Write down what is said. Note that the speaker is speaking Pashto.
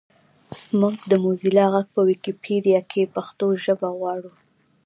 مونږ د موزیلا غږ په ویکیپېډیا کې پښتو ژبه غواړو